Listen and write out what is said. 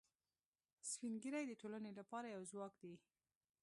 سپین ږیری د ټولنې لپاره یو ځواک دي